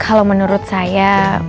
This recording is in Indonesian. kalau menurut saya